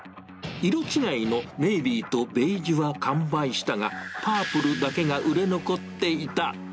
色違いのネイビーとベージュは完売したが、パープルだけが売れ残っていた。